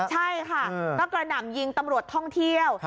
ใช่ค่ะก็กระหน่ำยิงตำรวจท่องเที่ยว